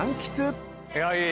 いやいい。